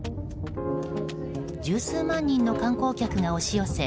十数万人の観光客が押し寄せ